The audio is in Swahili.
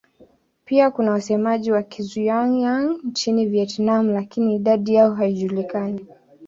Pia kuna wasemaji wa Kizhuang-Yang nchini Vietnam lakini idadi yao haijulikani.